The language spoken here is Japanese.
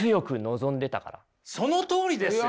そのとおりですよ！